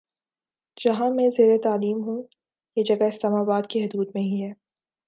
جہاں میں زیرتعلیم ہوں یہ جگہ اسلام آباد کی حدود میں ہی ہے